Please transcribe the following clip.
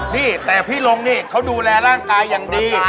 นี่แต่พี่ลงนี่เขาดูแลร่างกายอย่างดี